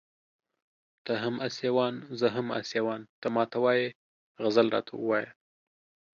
ته هم اسيوان زه هم اسيوان ته ما ته وايې غزل راته ووايه